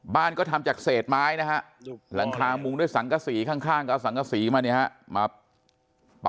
บ้านก็ทำจากเศษไม้นะครับหลังคามุมด้วยสังกะสีข้างสังกะสีมาเนี่ยครับ